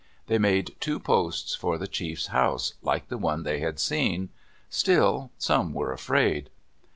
They made two posts for the chief's house like the one they had seen. Still some were afraid.